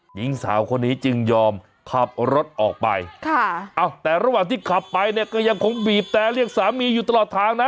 หญิงสาวคนนี้จึงยอมขับรถออกไปค่ะอ้าวแต่ระหว่างที่ขับไปเนี่ยก็ยังคงบีบแต่เรียกสามีอยู่ตลอดทางนะ